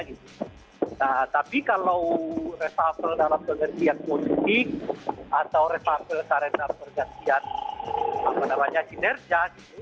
nah tapi kalau reshuffle dalam pengertian politik atau reshuffle karena pergantian kinerja